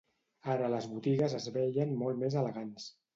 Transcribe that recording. Ara les botigues es veien molt més elegants